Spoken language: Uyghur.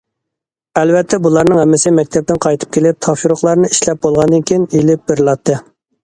ئەلۋەتتە بۇلارنىڭ ھەممىسى مەكتەپتىن قايتىپ كېلىپ تاپشۇرۇقلارنى ئىشلەپ بولغاندىن كېيىن ئېلىپ بېرىلاتتى.